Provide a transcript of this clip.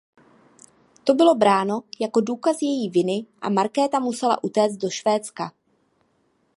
To bylo bráno jako důkaz její viny a Markéta musela utéct do Švédska.